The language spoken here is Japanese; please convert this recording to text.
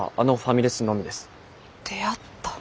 出会った。